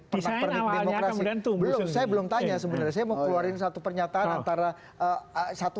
peran peran tuhan belum saya belum tanya sebenarnya saya mau keluarin satu pernyataan antara satu